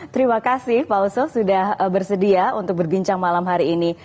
terima kasih pak oso sudah bersedia untuk berbincang malam hari ini